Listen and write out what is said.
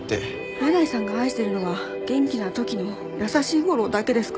箭内さんが愛してるのは元気な時の優しい吾良だけですか？